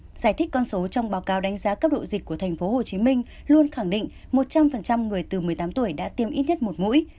giải thích con số trong báo cáo đánh giá cấp độ dịch của tp hcm luôn khẳng định một trăm linh người từ một mươi tám tuổi đã tiêm ít nhất một mũi